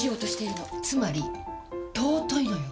つまり尊いのよ！